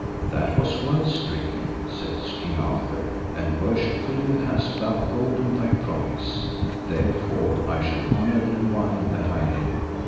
That was well stricken, said King Arthur, and worshipfully hast thou holden thy promise, therefore I shall honour thee while that I live.